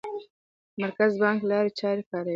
مرکزي بانک لارې چارې کاروي.